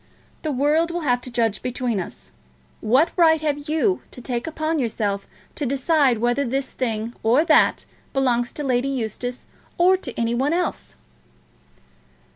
The world will have to judge between us. What right have you to take upon yourself to decide whether this thing or that belongs to Lady Eustace or to any one else?"